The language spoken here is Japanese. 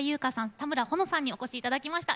田村保乃さんにお越し頂きました。